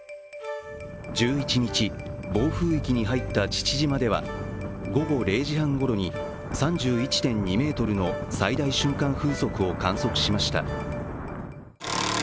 １１日、暴風域に入った父島では午後０時半ごろに３１．２メートルの最大瞬間風速を観測しました。